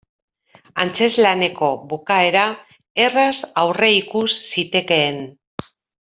Antzezlaneko bukaera erraz aurreikus zitekeen.